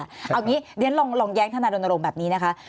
เอาอย่างนี้เรียนลองแย้งธนาดนรมแบบนี้นะคะ